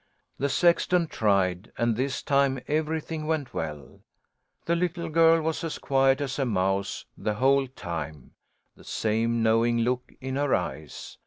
The sexton tried, and this time everything went well. The little girl was as quiet as a mouse the whole time the same knowing look in her eyes.